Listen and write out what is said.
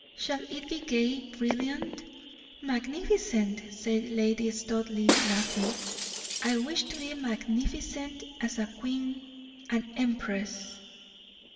Shall it be gay, brilliant?" "Magnificent!" said Lady Studleigh, laughing. "I wish to be magnificent as a queen an empress!"